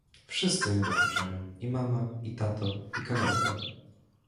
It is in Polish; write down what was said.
— Wszyscy mi dokuczają: i mama, i tato, i Karolka.